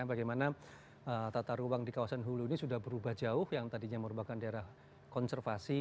bagaimana tata ruang di kawasan hulu ini sudah berubah jauh yang tadinya merupakan daerah konservasi